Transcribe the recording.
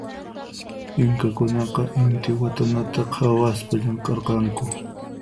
Inkakunaqa intiwatanata khawaspa llamk'arqanku.